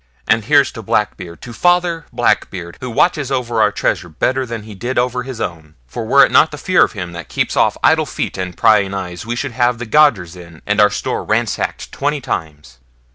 And here's to Blackbeard, to Father Blackbeard, who watches over our treasure better than he did over his own; for were it not the fear of him that keeps off idle feet and prying eyes, we should have the gaugers in, and our store ransacked twenty times.'